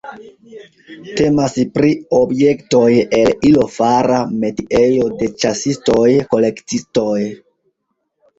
Temas pri objektoj el ilo-fara metiejo de ĉasistoj-kolektistoj.